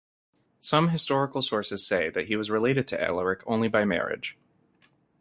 Some historical sources say that he was related to Alaric only by marriage.